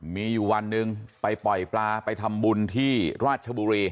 มีอยู่วันหนึ่งไปปล่อยปลาไปทำบุญที่ราชบุรี